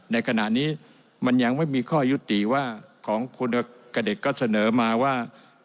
ในขณะนี้มันยังไม่มีข้อยุติว่าของคุณกระเด็ดก็เสนอมาว่า